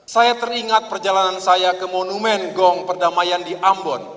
saya teringat perjalanan saya ke monumen gong perdamaian di ambon